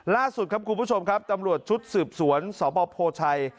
ล่าสุดครับคุณผู้ชมครับตำรวจชุดสืบสวนสบโพชัย